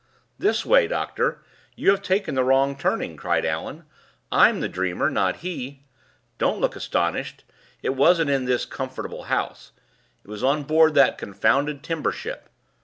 "This way, doctor; you have taken the wrong turning!" cried Allan. "I'm the dreamer, not he. Don't look astonished; it wasn't in this comfortable house; it was on board that confounded timber ship.